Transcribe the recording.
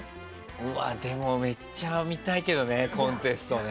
うわっでもめっちゃ見たいけどねコンテストね。